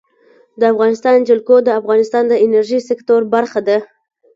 د افغانستان جلکو د افغانستان د انرژۍ سکتور برخه ده.